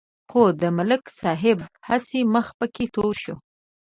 خو د ملک صاحب هسې مخ پکې تور شو.